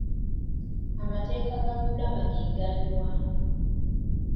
Amateeka ga ggulama ge gali wa?